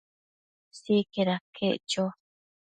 Sicaid aquec cho